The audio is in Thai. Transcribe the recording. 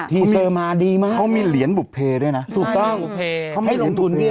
ทีเซอร์มาดีมากมีเหรียญบุภเพด้วยนะให้ลงทุน